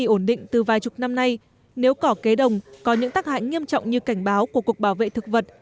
ổn định ổn định từ vài chục năm nay nếu cỏ kế đồng có những tác hại nghiêm trọng như cảnh báo của cục bảo vệ thực vật